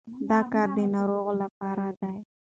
دا کار د ناروغ لپاره دی.